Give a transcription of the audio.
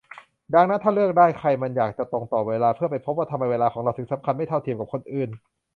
ดังนั้น ถ้าเลือกได้ ใครมันจะอยากตรงต่อเวลาเพื่อไปพบว่า ทำไมเวลาของเราถึงสำคัญไม่เท่าเทียมกับคนอื่น